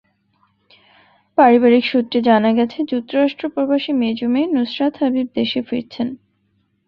পারিবারিক সূত্রে জানা গেছে, যুক্তরাষ্ট্র-প্রবাসী মেজো মেয়ে নুসরাত হাবিব দেশে ফিরছেন।